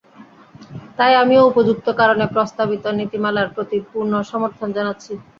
তাই আমিও উপর্যুক্ত কারণে, প্রস্তাবিত নীতিমালার প্রতি পূর্ণ সমর্থন জানাচ্ছি।